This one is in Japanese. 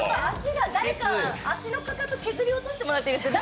誰か足のかかと削り落としてもらっていいですか？